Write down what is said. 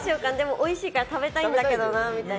おいしいから食べたいんだけどなみたいな。